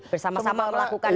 bersama sama melakukan ini